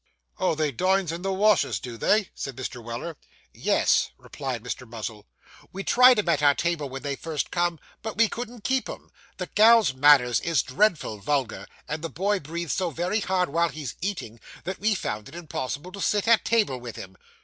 'Oh, they dines in the wash'us, do they?' said Mr. Weller. 'Yes,' replied Mr. Muzzle, 'we tried 'em at our table when they first come, but we couldn't keep 'em. The gal's manners is dreadful vulgar; and the boy breathes so very hard while he's eating, that we found it impossible to sit at table with him.